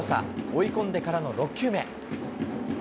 追い込んでからの６球目。